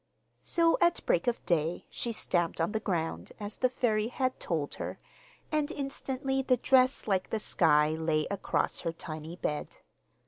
So, at break of day, she stamped on the ground, as the fairy had told her, and instantly the dress like the sky lay across her tiny bed.